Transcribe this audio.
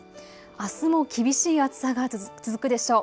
あすも厳しい暑さが続くでしょう。